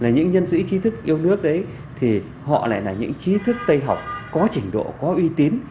những nhân sĩ trí thức yêu nước đấy thì họ lại là những trí thức tây học có trình độ có uy tín